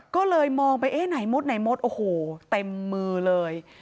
ก็เลยมองไปเอ๊ะไหนมดไหนมดโอ้โหเต็มมือเลย